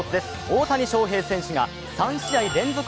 大谷翔平選手が３試合連続